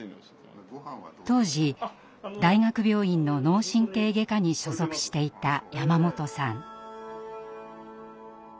当時大学病院の脳神経外科に所属していた山本さん。